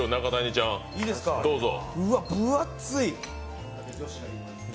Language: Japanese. うわっ、分厚い！